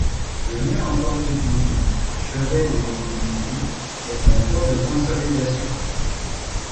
Le mur encore debout du chevet de l’église du est en cours de consolidation.